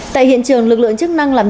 tại hiện trường lực lượng chức năng làm nhậu